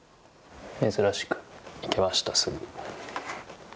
珍しくいけましたすぐに。